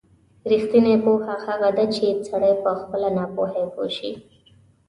رښتینې پوهه هغه ده چې سړی په خپله ناپوهۍ پوه شي.